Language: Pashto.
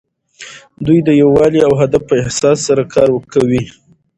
دوی د یووالي او هدف په احساس سره کار کوي.